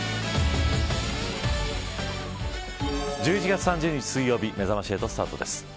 １１月３０日水曜日めざまし８スタートです。